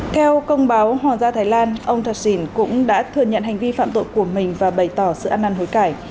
theo công báo hoàng gia thái lan ông thạch sìn cũng đã thừa nhận hành vi phạm tội của mình và bày tỏ sự ăn ăn hối cải